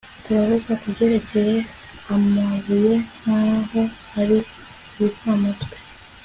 Turavuga kubyerekeye amabuye nkaho ari ibipfamatwi